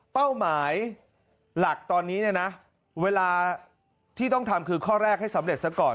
เป้าหมายหลักตอนนี้เนี่ยนะเวลาที่ต้องทำคือข้อแรกให้สำเร็จซะก่อน